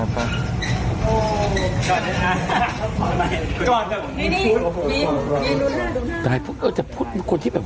ขอดทีหนึ่งให้ไหม